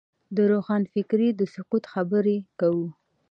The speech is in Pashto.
د روښانفکرۍ د سقوط خبره کوو.